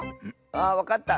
あわかった。